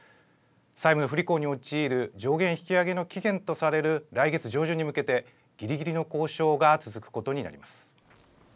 債務不履行に陥る上限引き上げの期限とされる来月上旬に向けて、ぎりぎりの交渉が続くことになります。